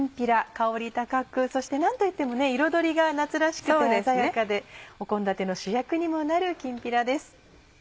香り高くそして何といっても彩りが夏らしくて鮮やかで献立の主役にもなるきんぴらです。